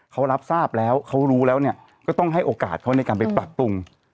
เขารับทราบแล้วเขารู้แล้วเนี่ยก็ต้องให้โอกาสเขาในการไปปรับปรุง